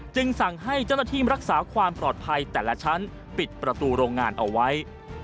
สั่งให้เจ้าหน้าที่รักษาความปลอดภัยแต่ละชั้นปิดประตูโรงงานเอาไว้